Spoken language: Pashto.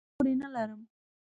نورې نه لرم.